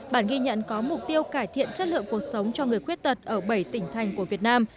bản ghi nhận có mục tiêu cải thiện chất lượng cuộc sống cho người khuyết tật ở bảy tỉnh thành của việt nam